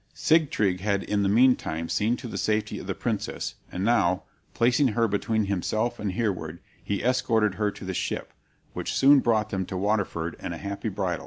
Sigtryg had in the meantime seen to the safety of the princess, and now, placing her between himself and Hereward, he escorted her to the ship, which soon brought them to Waterford and a happy bridal.